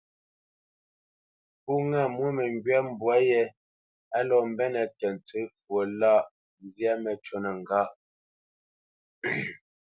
Pó ŋâ mwô məŋgywa mbwǎ yé á lɔ́ mbenə́ tə ntsə fwo lâʼ, zyâ məcûnə ŋgâ.